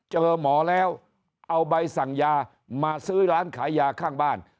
เจอหมอแล้วเอาใบสั่งยามาซื้อร้านขายยาข้างบ้าน